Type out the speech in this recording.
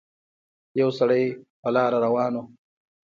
يو سړی په لاره روان وو